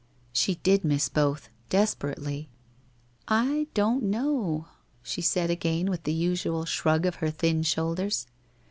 She did miss both, desperately. 'Z don't know?' she said again with the usual shrug of her thin shoulders.